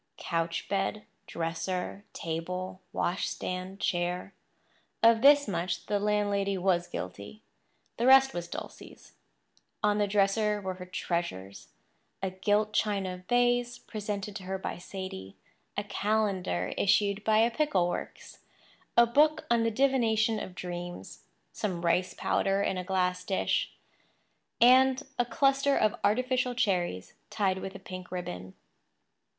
Couch bed, dresser, table, washstand, chair—of this much the landlady was guilty. The rest was Dulcie's. On the dresser were her treasures—a gilt china vase presented to her by Sadie, a calendar issued by a pickle works, a book on the divination of dreams, some rice powder in a glass dish, and a cluster of artificial cherries tied with a pink ribbon.